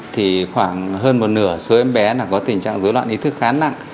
thì khoảng hơn một nửa số em bé có tình trạng dối loạn ý thức khá nặng